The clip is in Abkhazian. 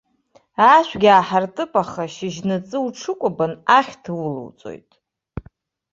Ашәгьы ааҳартып, аха шьыжьнаҵы уҽыкәабан, ахьҭа улауҵоит.